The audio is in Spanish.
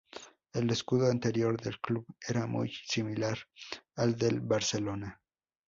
El escudo anterior del club era muy similar al del Barcelona.